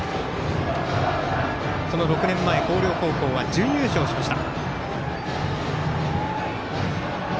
６年前広陵高校は準優勝しました。